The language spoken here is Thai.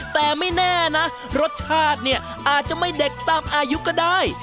แต่ไม่แน่นะรสชาติเนี่ยอาจจะไม่เด็กตามอายุก็ได้